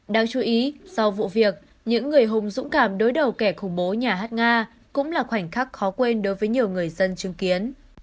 đáng chú ý sau vụ việc những người hùng dũng cảm đối đầu kẻ khủng bố nhà hát nga cũng là khoảnh khắc khó quên đối với nhiều người dân chứng kiến